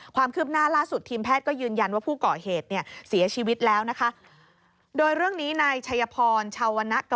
ความคืบหน้าล่าสุดทีมแพทย์ก็ยืนยันว่าผู้ก่อเหตุเนี่ยเสียชีวิตแล้วนะคะ